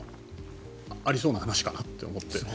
ありそうな話かなと思って。